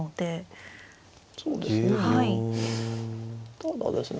ただですね